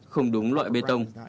không đúng loại bê tông